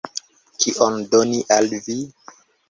Kion doni al vi?